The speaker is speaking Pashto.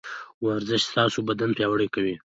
ورزش ستاسو بدن پياوړی کوي.